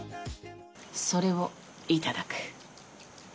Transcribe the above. それをいただく。